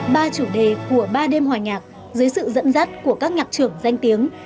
ba chủ đề của ba đêm hòa nhạc dưới sự dẫn dắt của các nhạc trưởng danh tiếng